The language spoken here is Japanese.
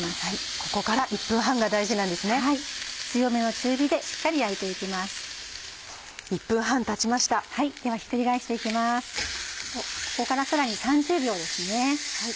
ここからさらに３０秒ですね。